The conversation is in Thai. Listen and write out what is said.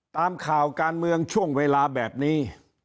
ตามข่าวการเมืองช่วงเวลาแบบนี้